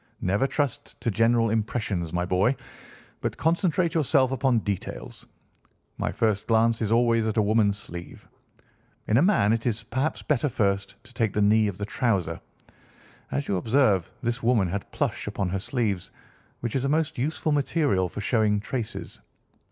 Never trust to general impressions, my boy, but concentrate yourself upon details. My first glance is always at a woman's sleeve. In a man it is perhaps better first to take the knee of the trouser. As you observe, this woman had plush upon her sleeves, which is a most useful material for showing traces.